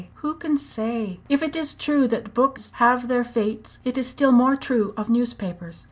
Who can say? If it is true that books have their fates, it is still more true of newspapers.